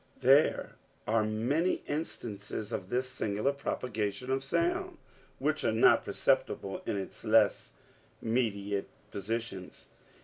There are many instances of this singular propagation of sound which are not perceptible in its less mediate positions.